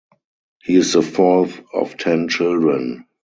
He is the fourth of ten children.